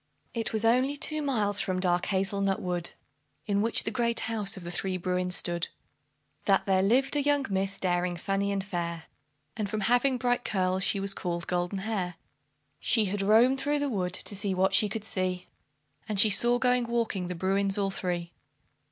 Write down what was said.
It was only two miles from dark Hazel nut Wood, In which the great house of the three Bruins stood, That there lived a young miss, daring, funny, and fair, And from having bright curls, she was called Goldenhair. She had roamed through the wood to see what she could see, And she saw going walking the Bruins all three.